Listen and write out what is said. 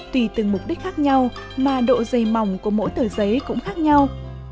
tùy từng mục đích khác nhau mà độ dày mỏng của mỗi tờ giấy cũng khác nhau